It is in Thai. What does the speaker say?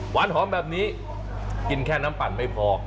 หวานหอมแบบนี้กินแค่น้ำปั่นไม่พอ